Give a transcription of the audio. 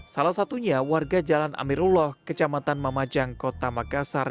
salah satunya warga jalan amirullah kecamatan mamajang kota makassar